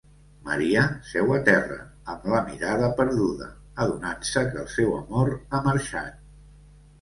Maria seu a terra, amb la mirada perduda, adonant-se que el seu amor ha marxat.